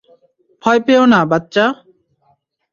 ভয় পেও না, বাচ্চা।